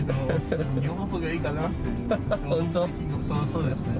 そうですね。